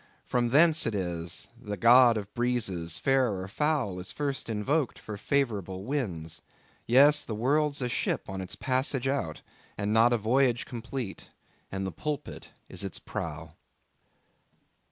From thence it is the God of breezes fair or foul is first invoked for favourable winds. Yes, the world's a ship on its passage out, and not a voyage complete; and the pulpit is its prow.